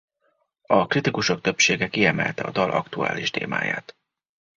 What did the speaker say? A kritikusok többsége kiemelte a dal aktuális témáját.